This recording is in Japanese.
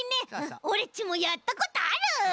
オレっちもやったことある！